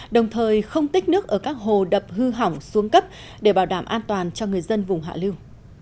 đồng thời không tích nước ở các hồ đập hư hỏng xuống cấp để bảo đảm an toàn cho người dân vùng hạ lưu